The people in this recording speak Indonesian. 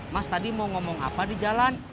mas tadi mau ngomong apa di jalan